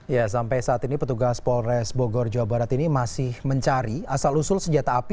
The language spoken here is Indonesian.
ya sampai saat ini petugas polres bogor jawa barat ini masih mencari asal usul senjata api